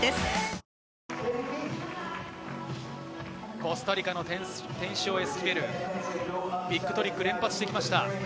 コスタリカのテンシオ・エスキベル、ビッグトリックを連発してきました。